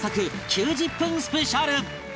９０分スペシャル！